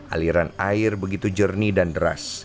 aliran air begitu jernih dan deras